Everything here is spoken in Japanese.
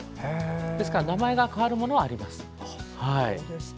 ですから名前が変わるものはあります。